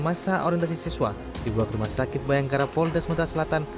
masa orientasi siswa di buah rumah sakit bayangkara pol desmonda selatan